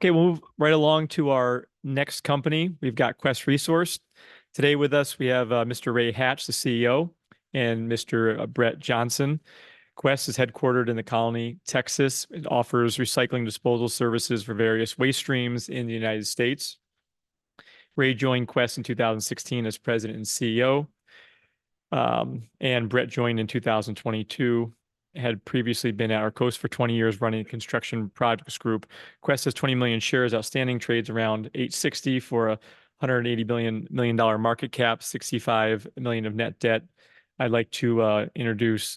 Okay, we'll move right along to our next company. We've got Quest Resource. Today with us we have, Mr. Ray Hatch, the CEO, and Mr. Brett Johnston. Quest is headquartered in The Colony, Texas, and offers recycling disposal services for various waste streams in the United States. Ray joined Quest in 2016 as President and CEO, and Brett joined in 2022. Had previously been at Arcosa for 20 years running a Construction Products Group. Quest has 20 million shares outstanding, trades around $8.60 for a $180 million market cap, $65 million of net debt. I'd like to introduce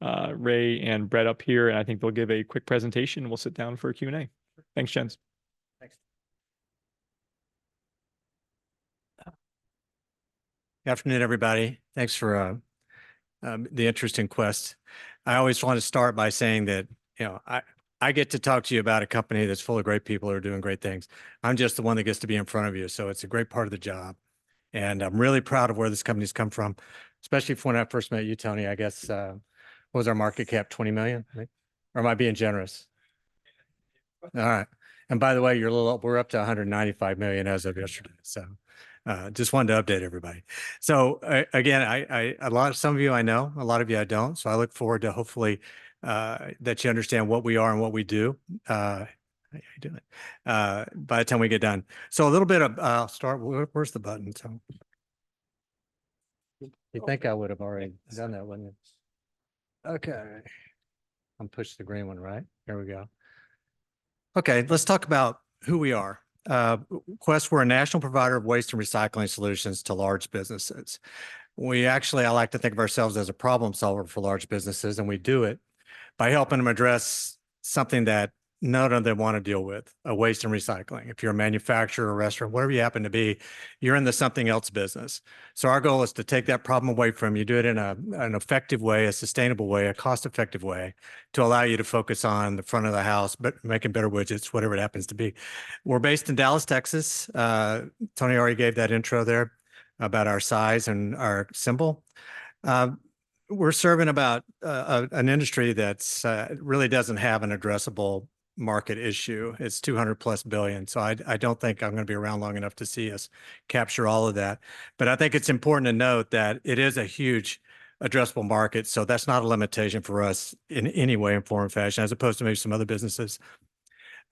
Ray and Brett up here, and I think they'll give a quick presentation and we'll sit down for a Q&A. Thanks, gents. Thanks. Good afternoon, everybody. Thanks for the interest in Quest. I always want to start by saying that, you know, I get to talk to you about a company that's full of great people who are doing great things. I'm just the one that gets to be in front of you, so it's a great part of the job. And I'm really proud of where this company's come from, especially when I first met you, Tony, I guess, what was our market cap? $20 million, right? Or am I being generous? All right. And by the way, you're a little up. We're up to $195 million as of yesterday, so just wanted to update everybody. So, again, I, a lot of some of you I know, a lot of you I don't, so I look forward to hopefully that you understand what we are and what we do, how you do it, by the time we get done. So a little bit, I'll start. Where's the button, so? You think I would have already done that, wouldn't you? Okay. I'm pushing the green one, right? Here we go. Okay, let's talk about who we are. Quest, we're a national provider of waste and recycling solutions to large businesses. We actually like to think of ourselves as a problem solver for large businesses, and we do it by helping them address something that none of them want to deal with, waste and recycling. If you're a manufacturer, a restaurant, whatever you happen to be, you're in the something else business. So our goal is to take that problem away from you, do it in an effective way, a sustainable way, a cost-effective way, to allow you to focus on the front of the house, but making better widgets, whatever it happens to be. We're based in Dallas, Texas. Tony already gave that intro there about our size and our symbol. We're serving about an industry that's really doesn't have an addressable market issue. It's $200+ billion, so I don't think I'm going to be around long enough to see us capture all of that. But I think it's important to note that it is a huge addressable market, so that's not a limitation for us in any way and form and fashion, as opposed to maybe some other businesses.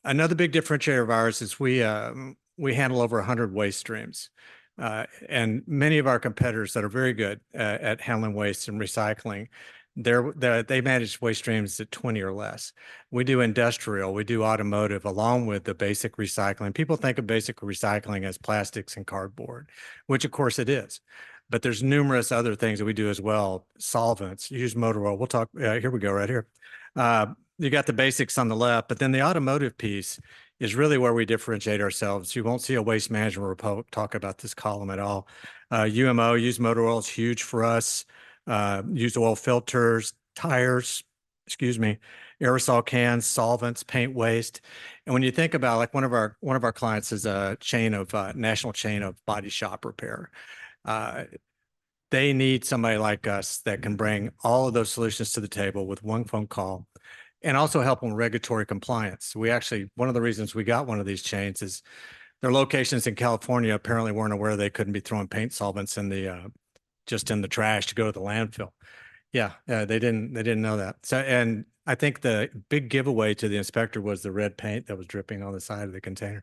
Another big differentiator of ours is we handle over 100 waste streams, and many of our competitors that are very good at handling waste and recycling, they manage waste streams at 20 or less. We do industrial, we do automotive, along with the basic recycling. People think of basic recycling as plastics and cardboard, which, of course, it is. But there's numerous other things that we do as well, solvents, used motor oil. We'll talk, here we go right here. You got the basics on the left, but then the automotive piece is really where we differentiate ourselves. You won't see a Waste Management report talk about this column at all. UMO, used motor oil is huge for us, used oil filters, tires, excuse me, aerosol cans, solvents, paint waste. And when you think about, like, one of our, one of our clients is a chain of national chain of body shop repair. They need somebody like us that can bring all of those solutions to the table with one phone call. And also help them with regulatory compliance. We actually, one of the reasons we got one of these chains is their locations in California apparently weren't aware they couldn't be throwing paint solvents in the, just in the trash to go to the landfill. Yeah, they didn't, they didn't know that. So, and I think the big giveaway to the inspector was the red paint that was dripping on the side of the container.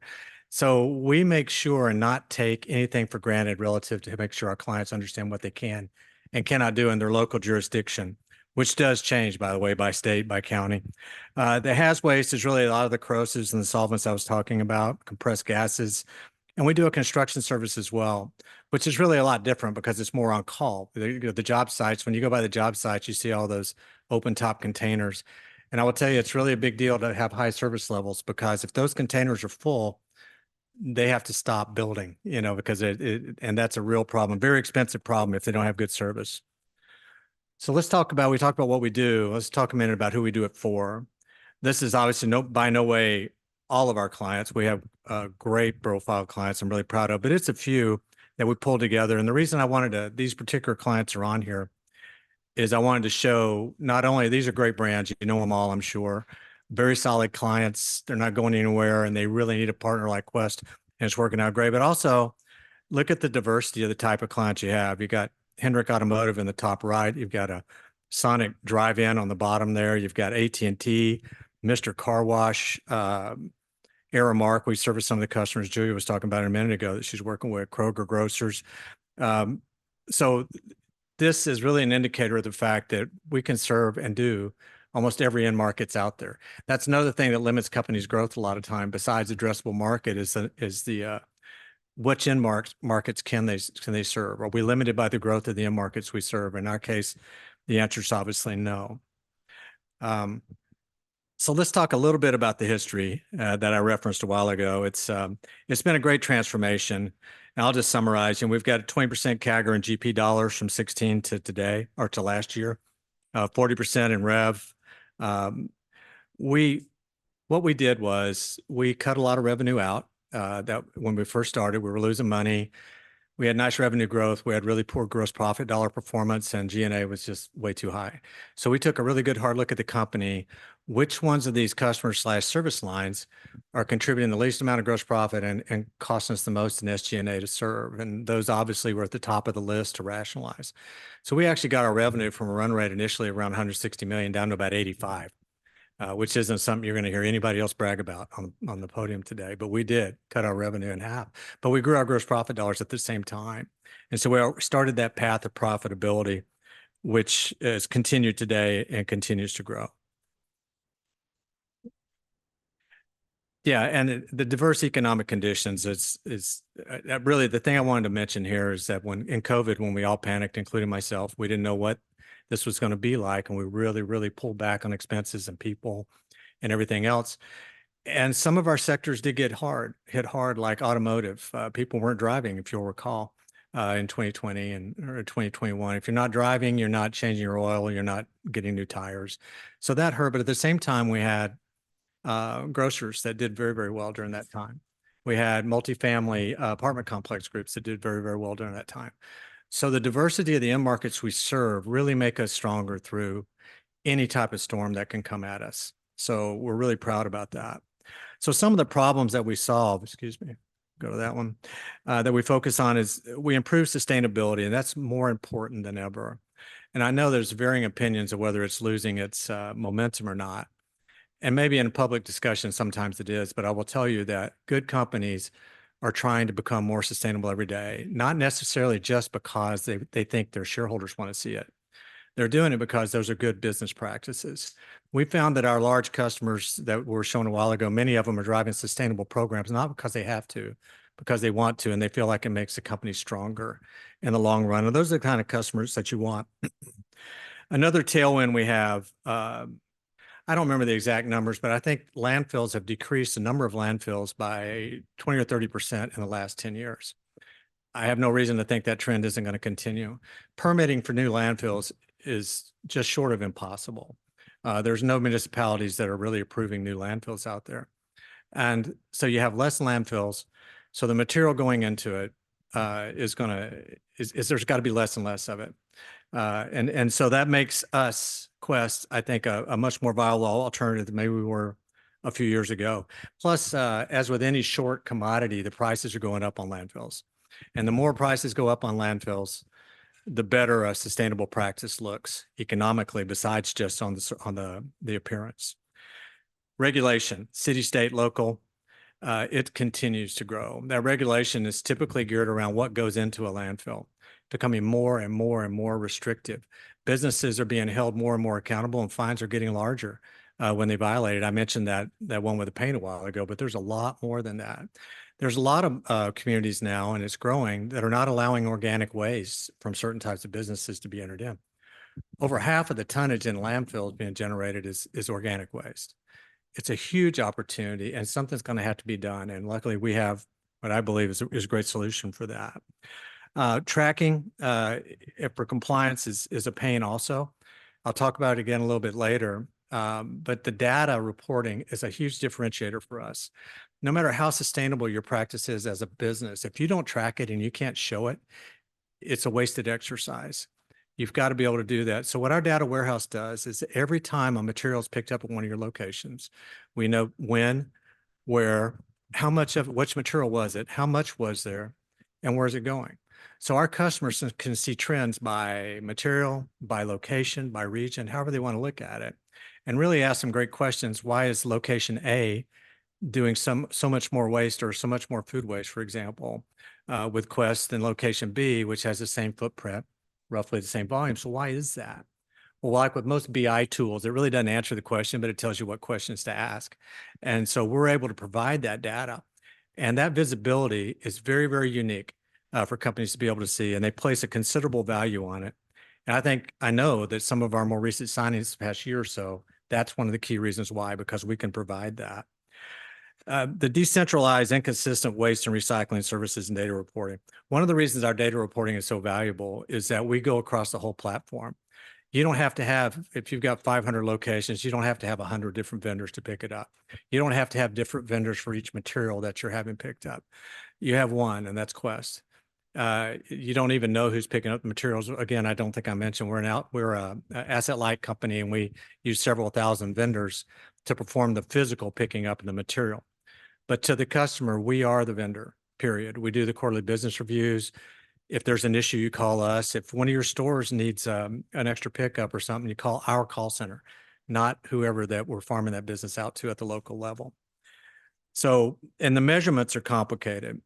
So we make sure and not take anything for granted relative to make sure our clients understand what they can and cannot do in their local jurisdiction, which does change, by the way, by state, by county. The haz waste is really a lot of the crosses and the solvents I was talking about, compressed gases. And we do a construction service as well, which is really a lot different because it's more on call. You know, the job sites, when you go by the job sites, you see all those open-top containers. I will tell you, it's really a big deal to have high service levels because if those containers are full, they have to stop building, you know, because it and that's a real problem, very expensive problem if they don't have good service. So let's talk about, we talked about what we do. Let's talk a minute about who we do it for. This is obviously no, by no way all of our clients. We have a great profile of clients I'm really proud of, but it's a few that we pulled together. And the reason I wanted to, these particular clients are on here, is I wanted to show not only these are great brands, you know them all, I'm sure. Very solid clients. They're not going anywhere, and they really need a partner like Quest, and it's working out great. But also, look at the diversity of the type of clients you have. You got Hendrick Automotive in the top right. You've got a Sonic Drive-In on the bottom there. You've got AT&T, Mister Car Wash, Aramark. We service some of the customers. Julia was talking about it a minute ago that she's working with Kroger. So this is really an indicator of the fact that we can serve and do almost every end market that's out there. That's another thing that limits companies' growth a lot of time, besides addressable market, is which end markets can they serve? Are we limited by the growth of the end markets we serve? In our case, the answer is obviously no. Let's talk a little bit about the history that I referenced a while ago. It's, it's been a great transformation. I'll just summarize. We've got a 20% CAGR in GP dollars from 2016 to today, or to last year. 40% in rev. We, what we did was we cut a lot of revenue out, that when we first started, we were losing money. We had nice revenue growth. We had really poor gross profit dollar performance, and G&A was just way too high. So we took a really good hard look at the company. Which ones of these customers slash service lines are contributing the least amount of gross profit and, and costing us the most in SG&A to serve? Those obviously were at the top of the list to rationalize. We actually got our revenue from a run rate initially around $160 million down to about $85 million, which isn't something you're going to hear anybody else brag about on the podium today, but we did cut our revenue in half. But we grew our gross profit dollars at the same time. And so we started that path of profitability, which has continued today and continues to grow. Yeah, and the diverse economic conditions, it's really the thing I wanted to mention here is that when in COVID, when we all panicked, including myself, we didn't know what this was going to be like, and we really, really pulled back on expenses and people and everything else. And some of our sectors did get hit hard, like automotive. People weren't driving, if you'll recall, in 2020 or 2021. If you're not driving, you're not changing your oil, you're not getting new tires. So that hurt, but at the same time, we had grocers that did very, very well during that time. We had multifamily apartment complex groups that did very, very well during that time. So the diversity of the end markets we serve really makes us stronger through any type of storm that can come at us. So we're really proud about that. So some of the problems that we solved, excuse me, go to that one, that we focus on is we improved sustainability, and that's more important than ever. And I know there's varying opinions of whether it's losing its momentum or not. Maybe in public discussion, sometimes it is, but I will tell you that good companies are trying to become more sustainable every day, not necessarily just because they, they think their shareholders want to see it. They're doing it because those are good business practices. We found that our large customers that were shown a while ago, many of them are driving sustainable programs, not because they have to, because they want to and they feel like it makes the company stronger in the long run. And those are the kind of customers that you want. Another tailwind we have, I don't remember the exact numbers, but I think landfills have decreased the number of landfills by 20%-30% in the last 10 years. I have no reason to think that trend isn't going to continue. Permitting for new landfills is just short of impossible. There's no municipalities that are really approving new landfills out there. And so you have less landfills. So the material going into it is going to be less and less of it. And so that makes us, Quest, I think, a much more viable alternative than maybe we were a few years ago. Plus, as with any short commodity, the prices are going up on landfills. And the more prices go up on landfills, the better a sustainable practice looks economically besides just on the appearance. Regulation, city, state, local, continues to grow. That regulation is typically geared around what goes into a landfill, becoming more and more and more restrictive. Businesses are being held more and more accountable, and fines are getting larger when they violate it. I mentioned that, that one with the paint a while ago, but there's a lot more than that. There's a lot of communities now, and it's growing, that are not allowing organic waste from certain types of businesses to be entered in. Over half of the tonnage in landfills being generated is organic waste. It's a huge opportunity, and something's going to have to be done. And luckily, we have what I believe is a great solution for that. Tracking for compliance is a pain also. I'll talk about it again a little bit later. But the data reporting is a huge differentiator for us. No matter how sustainable your practice is as a business, if you don't track it and you can't show it, it's a wasted exercise. You've got to be able to do that. So what our data warehouse does is every time a material is picked up at one of your locations, we know when, where, how much of, which material was it, how much was there, and where is it going? So our customers can see trends by material, by location, by region, however they want to look at it, and really ask some great questions. Why is location A doing some, so much more waste or so much more food waste, for example, with Quest than location B, which has the same footprint, roughly the same volume? So why is that? Well, like with most BI tools, it really doesn't answer the question, but it tells you what questions to ask. And so we're able to provide that data. And that visibility is very, very unique, for companies to be able to see, and they place a considerable value on it. I think, I know that some of our more recent signings this past year or so, that's one of the key reasons why, because we can provide that: the decentralized, inconsistent waste and recycling services and data reporting. One of the reasons our data reporting is so valuable is that we go across the whole platform. You don't have to have, if you've got 500 locations, you don't have to have 100 different vendors to pick it up. You don't have to have different vendors for each material that you're having picked up. You have one, and that's Quest. You don't even know who's picking up the materials. Again, I don't think I mentioned we're an asset-light company, and we use several thousand vendors to perform the physical picking up of the material. But to the customer, we are the vendor, period. We do the quarterly business reviews. If there's an issue, you call us. If one of your stores needs an extra pickup or something, you call our call center, not whoever that we're farming that business out to at the local level. The measurements are complicated.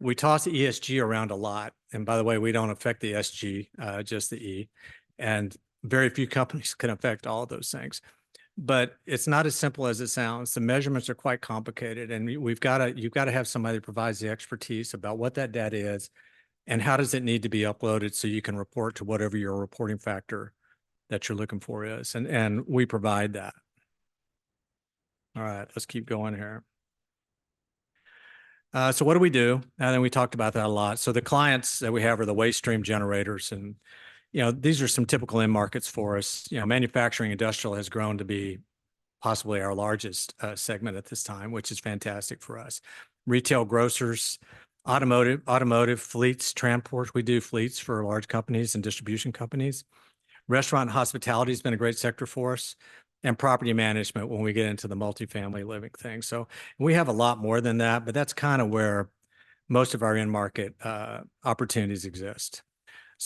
We toss ESG around a lot. And by the way, we don't affect the SG, just the E. And very few companies can affect all of those things. But it's not as simple as it sounds. The measurements are quite complicated, and we've got to, you've got to have somebody that provides the expertise about what that data is. And how does it need to be uploaded so you can report to whatever your reporting factor that you're looking for is? And we provide that. All right, let's keep going here. So what do we do? And then we talked about that a lot. The clients that we have are the waste stream generators. You know, these are some typical end markets for us. You know, manufacturing industrial has grown to be possibly our largest segment at this time, which is fantastic for us. Retail grocers, automotive, automotive fleets, transports. We do fleets for large companies and distribution companies. Restaurant and hospitality has been a great sector for us. Property management when we get into the multifamily living thing. We have a lot more than that, but that's kind of where most of our end market opportunities exist.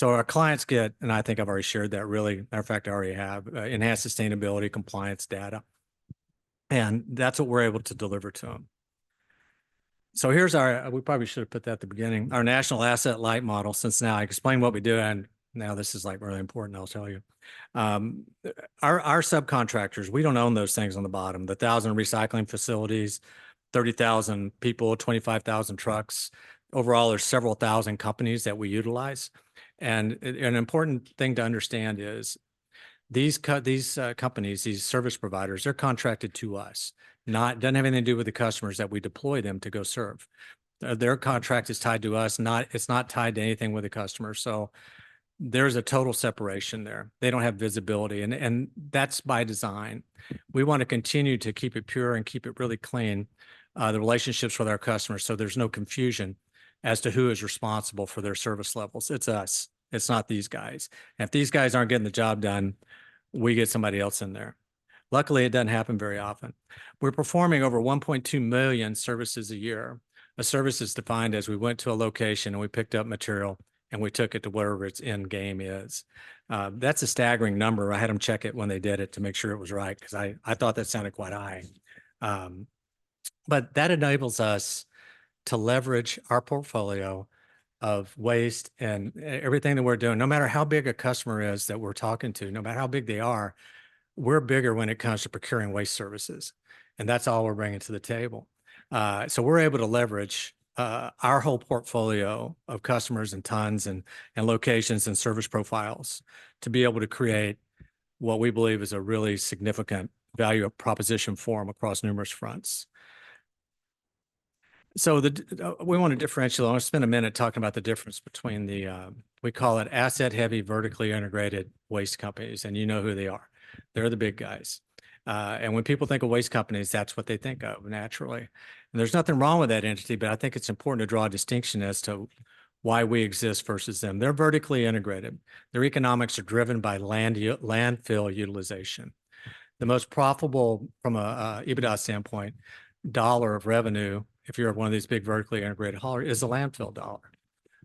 Our clients get, and I think I've already shared that really, matter of fact, I already have, enhanced sustainability compliance data. And that's what we're able to deliver to them. So here's our—we probably should have put that at the beginning—our national asset-light model since now I explain what we do. And now this is like really important, I'll tell you. Our subcontractors, we don't own those things on the bottom, the 1,000 recycling facilities, 30,000 people, 25,000 trucks. Overall, there's several thousand companies that we utilize. And an important thing to understand is these companies, these service providers, they're contracted to us. Not, it doesn't have anything to do with the customers that we deploy them to go serve. Their contract is tied to us, not, it's not tied to anything with the customer. So there's a total separation there. They don't have visibility, and that's by design. We want to continue to keep it pure and keep it really clean. The relationships with our customers, so there's no confusion as to who is responsible for their service levels. It's us. It's not these guys. And if these guys aren't getting the job done, we get somebody else in there. Luckily, it doesn't happen very often. We're performing over 1.2 million services a year. A service is defined as we went to a location and we picked up material and we took it to wherever its end game is. That's a staggering number. I had them check it when they did it to make sure it was right because I, I thought that sounded quite high. But that enables us to leverage our portfolio of waste and everything that we're doing, no matter how big a customer is that we're talking to, no matter how big they are, we're bigger when it comes to procuring waste services. And that's all we're bringing to the table. So we're able to leverage our whole portfolio of customers and tons and locations and service profiles to be able to create what we believe is a really significant value proposition from across numerous fronts. So we want to differentiate. I want to spend a minute talking about the difference between the, we call it asset-heavy, vertically integrated waste companies, and you know who they are. They're the big guys. And when people think of waste companies, that's what they think of naturally. And there's nothing wrong with that entity, but I think it's important to draw a distinction as to why we exist versus them. They're vertically integrated. Their economics are driven by landfill utilization. The most profitable from an EBITDA standpoint, dollar of revenue, if you're one of these big vertically integrated haulers, is a landfill dollar.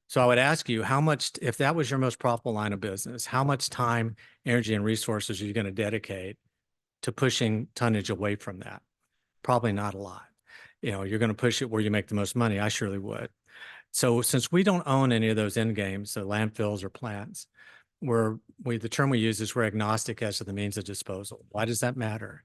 So I would ask you how much, if that was your most profitable line of business, how much time, energy, and resources are you going to dedicate to pushing tonnage away from that? Probably not a lot. You know, you're going to push it where you make the most money. I surely would. So since we don't own any of those end games, the landfills or plants, we're the term we use is we're agnostic as to the means of disposal. Why does that matter?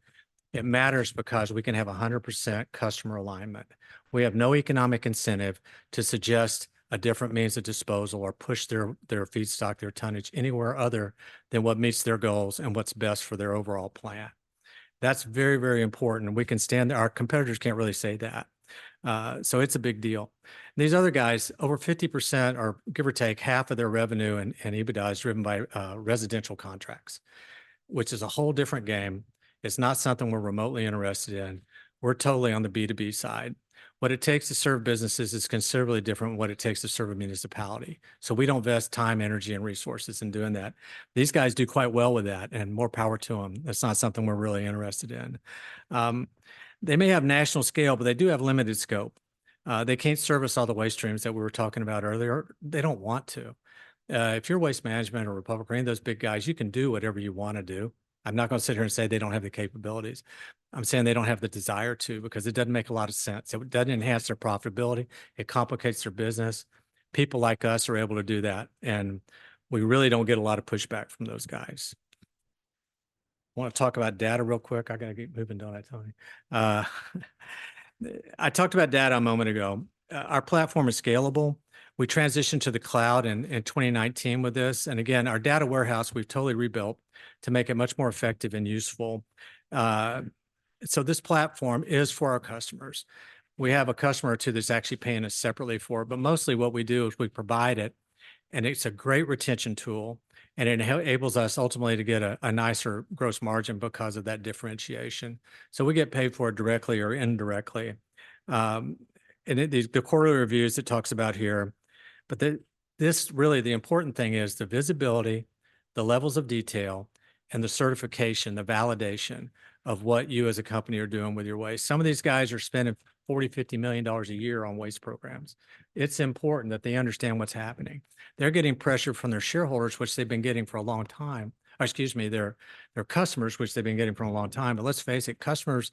It matters because we can have 100% customer alignment. We have no economic incentive to suggest a different means of disposal or push their, their feedstock, their tonnage anywhere other than what meets their goals and what's best for their overall plan. That's very, very important. And we can stand there. Our competitors can't really say that. So it's a big deal. And these other guys, over 50% or give or take half of their revenue and, and EBITDA is driven by residential contracts. Which is a whole different game. It's not something we're remotely interested in. We're totally on the B2B side. What it takes to serve businesses is considerably different than what it takes to serve a municipality. So we don't invest time, energy, and resources in doing that. These guys do quite well with that and more power to them. That's not something we're really interested in. They may have national scale, but they do have limited scope. They can't service all the waste streams that we were talking about earlier. They don't want to. If you're Waste Management or Republic, any of those big guys, you can do whatever you want to do. I'm not going to sit here and say they don't have the capabilities. I'm saying they don't have the desire to because it doesn't make a lot of sense. It doesn't enhance their profitability. It complicates their business. People like us are able to do that. And we really don't get a lot of pushback from those guys. I want to talk about data real quick. I got to keep moving, don't I, Tony? I talked about data a moment ago. Our platform is scalable. We transitioned to the cloud in 2019 with this. And again, our data warehouse, we've totally rebuilt to make it much more effective and useful. So this platform is for our customers. We have a customer or two that's actually paying us separately for it, but mostly what we do is we provide it. And it's a great retention tool. And it enables us ultimately to get a nicer gross margin because of that differentiation. So we get paid for it directly or indirectly. And it, the quarterly reviews it talks about here. But this really, the important thing is the visibility, the levels of detail, and the certification, the validation of what you as a company are doing with your waste. Some of these guys are spending $40-$50 million a year on waste programs. It's important that they understand what's happening. They're getting pressure from their shareholders, which they've been getting for a long time. Excuse me, their customers, which they've been getting for a long time. But let's face it, customers,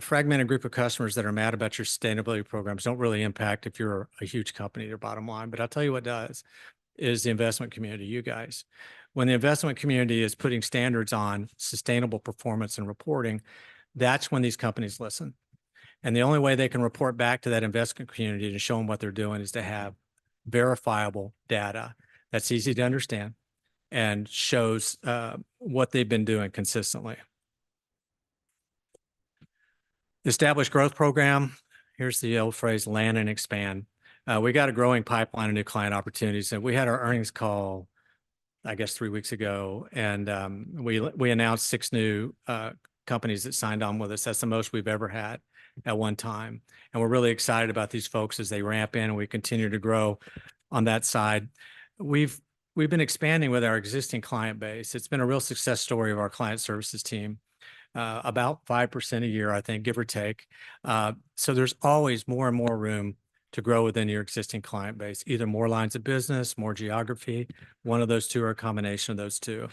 fragmented group of customers that are mad about your sustainability programs don't really impact if you're a huge company, their bottom line. But I'll tell you what it does. Is the investment community, you guys. When the investment community is putting standards on sustainable performance and reporting, that's when these companies listen. The only way they can report back to that investment community to show them what they're doing is to have verifiable data that's easy to understand and shows what they've been doing consistently. Established growth program. Here's the old phrase, land and expand. We got a growing pipeline of new client opportunities. We had our earnings call, I guess, three weeks ago. We announced six new companies that signed on with us. That's the most we've ever had at one time. We're really excited about these folks as they ramp in and we continue to grow on that side. We've been expanding with our existing client base. It's been a real success story of our client services team. About 5% a year, I think, give or take. So there's always more and more room to grow within your existing client base, either more lines of business, more geography, one of those two or a combination of those two.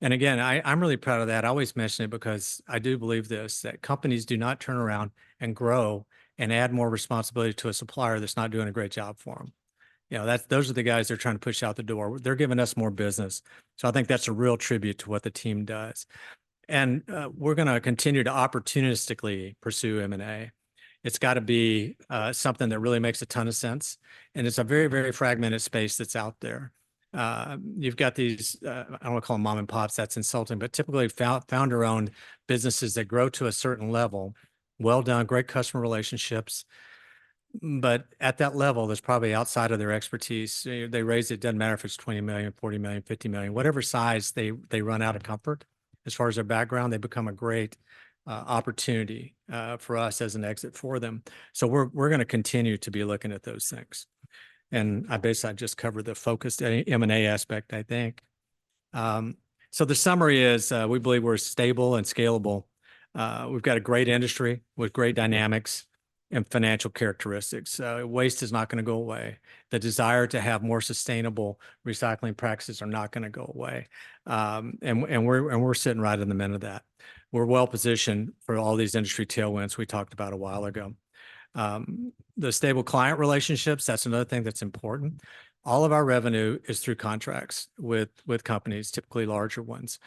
And again, I, I'm really proud of that. I always mention it because I do believe this, that companies do not turn around and grow and add more responsibility to a supplier that's not doing a great job for them. You know, that's, those are the guys they're trying to push out the door. They're giving us more business. So I think that's a real tribute to what the team does. And, we're going to continue to opportunistically pursue M&A. It's got to be, something that really makes a ton of sense. And it's a very, very fragmented space that's out there. You've got these. I don't want to call them mom-and-pops; that's insulting. But typically found founder-owned businesses that grow to a certain level. Well done, great customer relationships. But at that level, there's probably outside of their expertise. They raised it. It doesn't matter if it's $20 million, $40 million, $50 million, whatever size they, they run out of comfort. As far as their background, they become a great opportunity for us as an exit for them. So we're, we're going to continue to be looking at those things. And I basically just covered the focused M&A aspect, I think. So the summary is, we believe we're stable and scalable. We've got a great industry with great dynamics and financial characteristics. So waste is not going to go away. The desire to have more sustainable recycling practices are not going to go away. We're sitting right in the middle of that. We're well positioned for all these industry tailwinds we talked about a while ago. The stable client relationships, that's another thing that's important. All of our revenue is through contracts with companies, typically larger ones.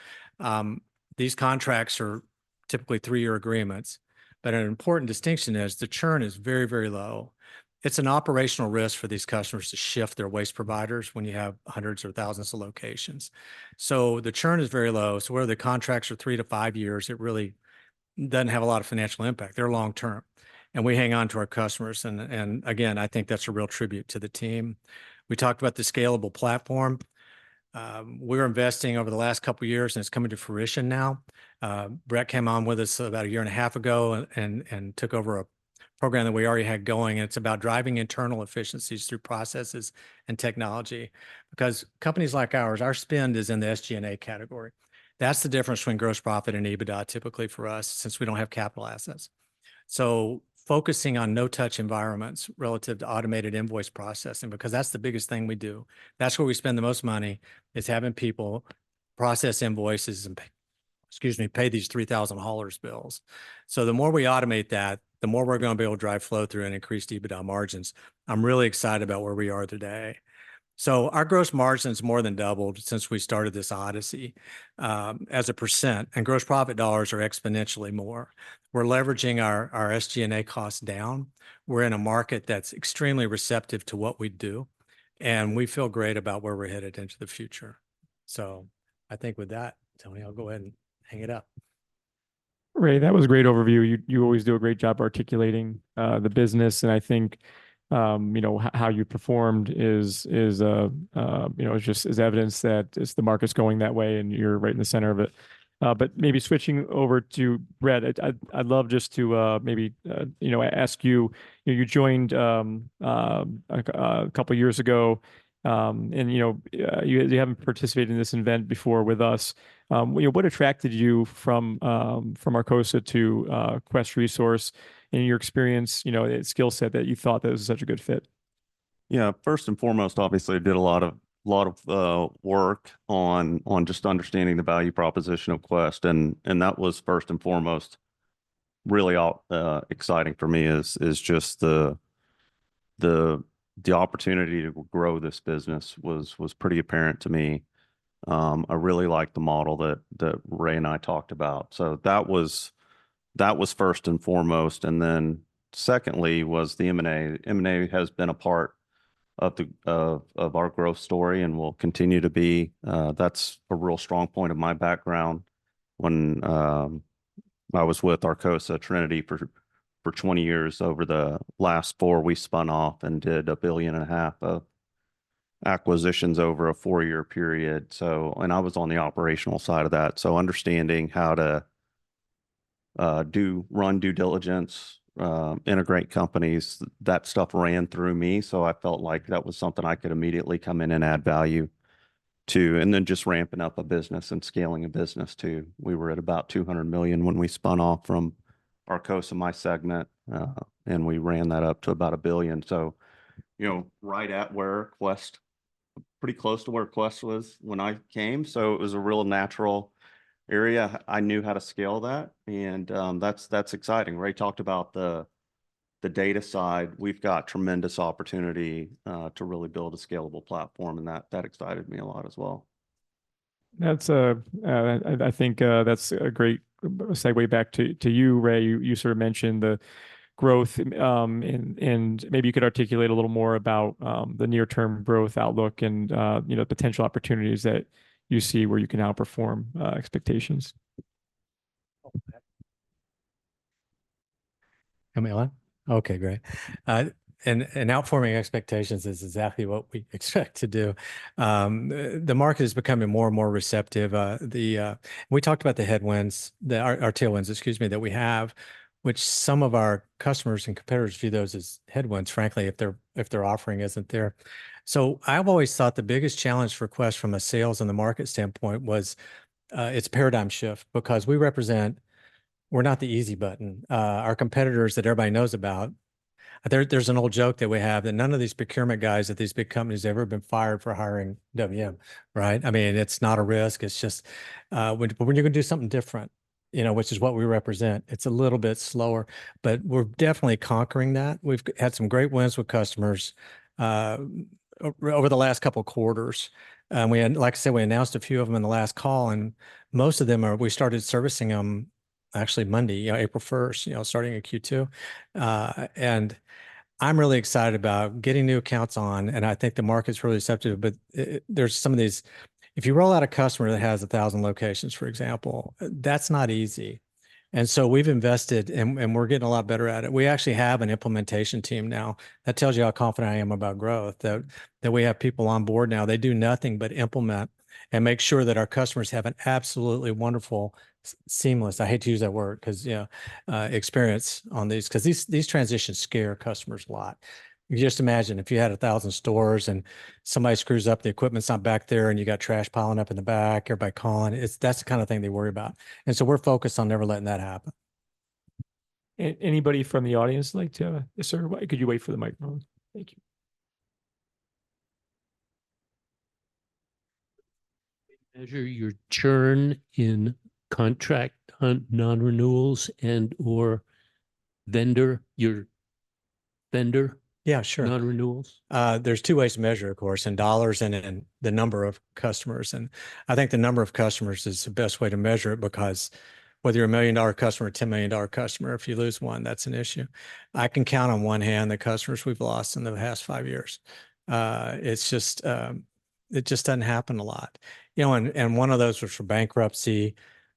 These contracts are typically three-year agreements. But an important distinction is the churn is very, very low. It's an operational risk for these customers to shift their waste providers when you have hundreds or thousands of locations. So the churn is very low. So where the contracts are three-five years, it really doesn't have a lot of financial impact. They're long term. And we hang on to our customers. And again, I think that's a real tribute to the team. We talked about the scalable platform. We're investing over the last couple of years, and it's coming to fruition now. Brett came on with us about a year and a half ago and took over a program that we already had going. It's about driving internal efficiencies through processes and technology. Because companies like ours, our spend is in the SG&A category. That's the difference between gross profit and EBITDA typically for us since we don't have capital assets. So focusing on no-touch environments relative to automated invoice processing because that's the biggest thing we do. That's where we spend the most money is having people process invoices and pay, excuse me, pay these 3,000 haulers bills. So the more we automate that, the more we're going to be able to drive flow through and increase EBITDA margins. I'm really excited about where we are today. So our gross margin is more than doubled since we started this odyssey. As a percent and gross profit dollars are exponentially more. We're leveraging our SG&A costs down. We're in a market that's extremely receptive to what we do. And we feel great about where we're headed into the future. So I think with that, Tony, I'll go ahead and hang it up. Ray, that was a great overview. You always do a great job articulating the business and I think, you know, how you performed is, you know, it's just evidence that it's the market's going that way and you're right in the center of it. But maybe switching over to Brett, I'd love just to, maybe, you know, ask you, you know, you joined a couple of years ago. You know, you haven't participated in this event before with us. You know, what attracted you from Arcosa to Quest Resource? In your experience, you know, the skill set that you thought was such a good fit. Yeah, first and foremost, obviously I did a lot of work on just understanding the value proposition of Quest and that was first and foremost. What really excites me is just the opportunity to grow this business, which was pretty apparent to me. I really like the model that Ray and I talked about. So that was first and foremost and then secondly was the M&A. M&A has been a part of our growth story and will continue to be. That's a real strong point of my background. When I was with Arcosa Trinity for 20 years over the last four, we spun off and did $1.5 billion of acquisitions over a four-year period. So I was on the operational side of that. So understanding how to run due diligence, integrate companies, that stuff ran through me. So I felt like that was something I could immediately come in and add value to. And then just ramping up a business and scaling a business too. We were at about $200 million when we spun off from Arcosa, my segment, and we ran that up to about $1 billion. So, you know, right at where Quest, pretty close to where Quest was when I came. So it was a real natural area. I knew how to scale that. And that's exciting. Ray talked about the data side. We've got tremendous opportunity to really build a scalable platform and that excited me a lot as well. That's, I think, a great segue back to you, Ray. You sort of mentioned the growth, and maybe you could articulate a little more about the near-term growth outlook and, you know, the potential opportunities that you see where you can outperform expectations. Am I on. Okay, great. Outforming expectations is exactly what we expect to do. The market is becoming more and more receptive. We talked about the headwinds, our tailwinds, excuse me, that we have. Which some of our customers and competitors view those as headwinds, frankly, if their offering isn't there. So, I've always thought the biggest challenge for Quest from a sales and the market standpoint was its paradigm shift because we represent, we're not the easy button, our competitors that everybody knows about. There, there's an old joke that we have that none of these procurement guys at these big companies have ever been fired for hiring WM, right? I mean, it's not a risk. It's just when, but when you're going to do something different, you know, which is what we represent, it's a little bit slower, but we're definitely conquering that. We've had some great wins with customers over the last couple of quarters. We had, like I said, we announced a few of them in the last call, and most of them are, we started servicing them. Actually, Monday, you know, April 1st, you know, starting a Q2. And I'm really excited about getting new accounts on, and I think the market's really receptive, but there's some of these. If you roll out a customer that has 1,000 locations, for example, that's not easy. And so we've invested and, and we're getting a lot better at it. We actually have an implementation team now that tells you how confident I am about growth, that, that we have people on board now. They do nothing but implement and make sure that our customers have an absolutely wonderful, seamless—I hate to use that word, because, you know, experience on these, because these, these transitions scare customers a lot. You just imagine if you had 1,000 stores and somebody screws up, the equipment's not back there and you got trash piling up in the back, everybody calling. It's, that's the kind of thing they worry about. So we're focused on never letting that happen. Anybody from the audience like to have a, sir, why could you wait for the microphone? Thank you. Measure your churn in contract non-renewals and or vendor non-renewals. Yeah, sure. There's two ways to measure, of course, in dollars and in the number of customers. And I think the number of customers is the best way to measure it because whether you're a $1 million customer or a $10 million customer, if you lose one, that's an issue. I can count on one hand the customers we've lost in the past 5 years. It's just, it just doesn't happen a lot. You know, and, and one of those was for bankruptcy.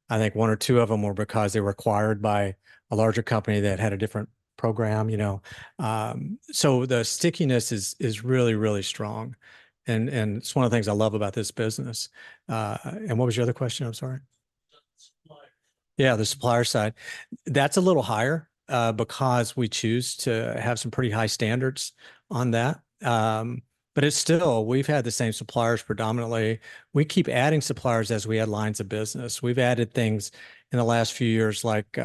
I think one or two of them were because they were acquired by a larger company that had a different program, you know. The stickiness is really, really strong. And it's one of the things I love about this business. What was your other question? I'm sorry. Yeah, the supplier side. That's a little higher, because we choose to have some pretty high standards on that. But it's still, we've had the same suppliers predominantly. We keep adding suppliers as we add lines of business. We've added things in the last few years like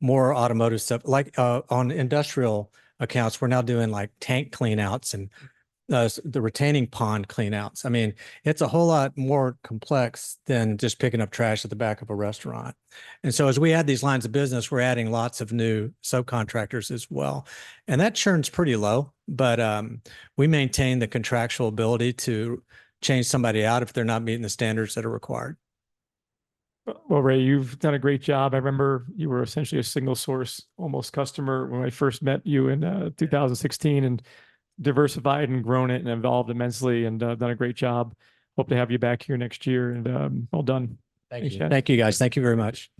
more automotive stuff like on industrial accounts. We're now doing like tank cleanouts and the retention pond cleanouts. I mean, it's a whole lot more complex than just picking up trash at the back of a restaurant. And so as we add these lines of business, we're adding lots of new subcontractors as well. And that churn's pretty low, but we maintain the contractual ability to change somebody out if they're not meeting the standards that are required. Well, Ray, you've done a great job. I remember you were essentially a single source almost customer when I first met you in 2016 and diversified and grown it and evolved immensely and done a great job. Hope to have you back here next year and well done. Thank you. Thank you guys. Thank you very much.